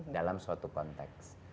dalam suatu konteks